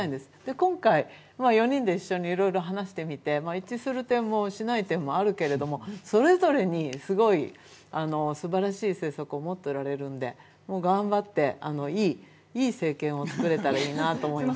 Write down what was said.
今回、４人で一緒にいろいろ話してみて一致する点もしない点もあるけれども、それぞれにすごいすばらしい政策をもっておられるので頑張って、いい政権を作れたらいいなと思います。